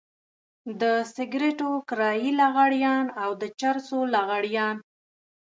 د سګرټو کرايي لغړيان او د چرسو لغړيان.